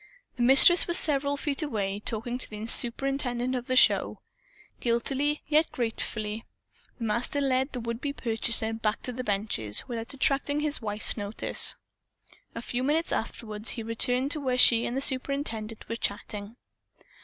The Mistress was several feet away, talking to the superintendent of the show. Guiltily, yet gratefully, the Master led the would be purchaser back to the benches, without attracting his wife's notice. A few minutes afterward he returned to where she and the superintendent were chatting.